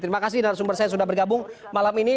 terima kasih narasumber saya sudah bergabung malam ini